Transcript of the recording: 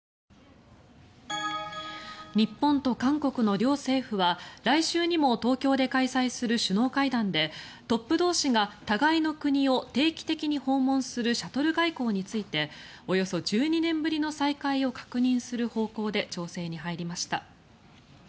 日本と韓国の両政府は来週にも東京で開催する首脳会談で、トップ同士が互いの国を定期的に訪問するシャトル外交についておよそ１２年ぶりの再開を確認する方向で調整に入りました。